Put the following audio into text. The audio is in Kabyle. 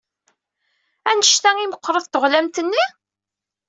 Anect ay meɣɣret teɣlamt-nni?